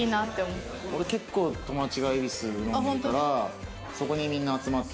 俺結構友達が恵比寿で飲んでるからそこにみんな集まってる感じ。